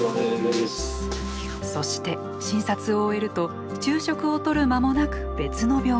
そして診察を終えると昼食をとる間もなく別の病院へ。